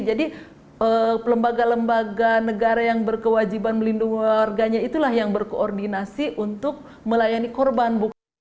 jadi lembaga lembaga negara yang berkewajiban melindungi warganya itulah yang berkoordinasi untuk melayani korban